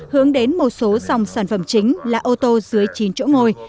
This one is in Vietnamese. hướng đến một số dòng sản phẩm chính là ô tô dưới chín chỗ ngồi